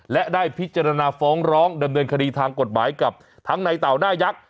และได้พิจารณาฟ้องร้องดำเนินคดีทางกฎหมายกับทั้งในเต่าหน้ายักษ์